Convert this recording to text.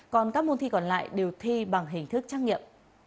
còn các môn thi còn lại đều thi bằng hình thức trắc nghiệm